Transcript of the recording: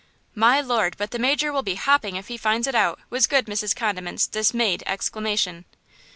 "My Lord, but the major will be hopping if he finds it out!" was good Mrs. Condiment's dismayed exclamation.